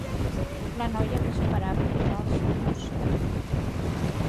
És la noia que esperàvem, fa el senyor Cerc.